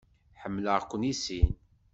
Ḥemmleɣ-ken i sin.